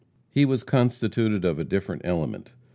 He was constituted of a different element.